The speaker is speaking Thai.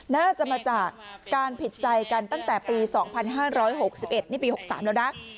น่าจะมาจากการผิดใจกันตั้งแต่ปี๒๕๖๑นี่ปี๖๓แล้วนะ